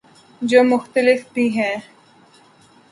جو مختلف بھی ہیں